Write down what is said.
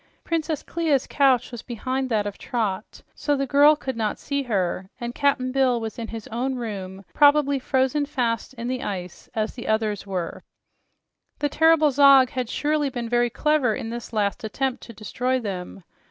Princess Clia's couch was behind that of Trot, so the child could not see her, and Cap'n Bill was in his own room, probably frozen fast in the ice as the others were. The terrible Zog has surely been very clever in this last attempt to destroy them.